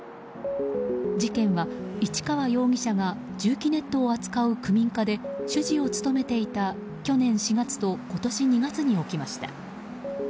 事件は市川容疑者が住基ネットを扱う区民課で主事を務めていた去年４月と今年２月に起きました。